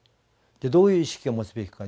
でどういう意識を持つべきか。